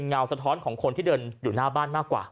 สะท้อนของคนที่เดินอยู่หน้าบ้านมากกว่า